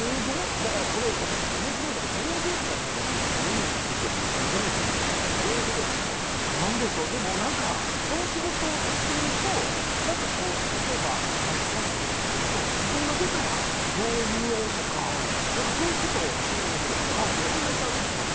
だからこれ、おもしろいの、同業者なのに見に行くというそのテンションというのはどういうこなんでしょう、でもなんか、この仕事してると、なんか例えば、バラエティー番組とか出てると、自分が出たらどう言おうとか、そういうことを考えちゃうじゃないですか。